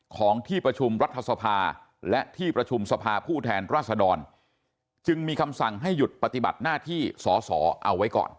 ของที่ประชุมรัฐสภาและที่ประชุมสภาผู้แทนราษดรจึงมีคำสั่งให้หยุดปฏิบัติหน้าที่สอสอเอาไว้ก่อน